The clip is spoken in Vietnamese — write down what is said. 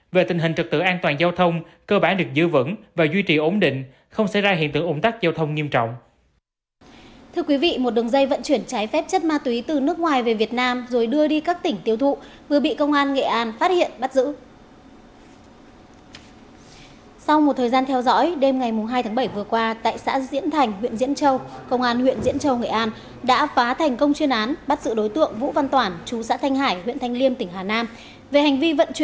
về tình hình trực tự an toàn giao thông cơ bản được giữ vững và duy trì ổn định không xảy ra hiện tượng ổn tắc giao thông nghiêm trọng